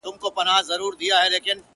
یوه سیوري ته دمه سو لکه مړی،